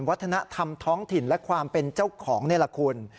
วัฒนธรรมท้องถิ่นและความเป็นเจ้าของนี่แหละคุณ